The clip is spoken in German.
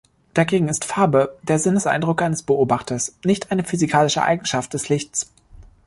Dagegen ist "Farbe" der Sinneseindruck eines Beobachters, nicht eine physikalische Eigenschaft des Lichts.